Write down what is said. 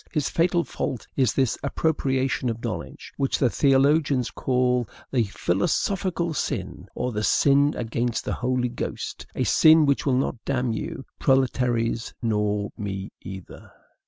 His fatal fault is this appropriation of knowledge, which the theologians call the PHILOSOPHICAL SIN, or the SIN AGAINST THE HOLY GHOST a sin which will not damn you, proletaires, nor me either.